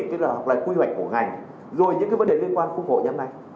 tức là quy hoạch của ngành rồi những vấn đề liên quan khung khổ nhóm này